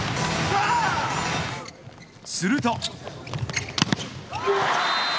すると。